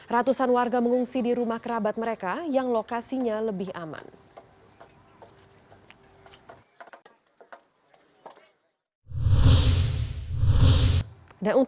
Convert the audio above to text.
ratusan warga mengungsi di rumah kerabat mereka yang lokasinya lebih aman